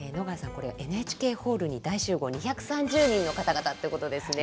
これＮＨＫホールに大集合２３０人の方々ってことですね。